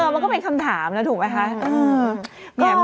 มันก็เป็นคำถามค่ะ